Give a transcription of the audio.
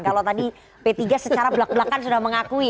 kalau tadi p tiga secara belak belakan sudah mengakui